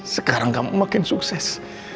sekarang kamu makin sukses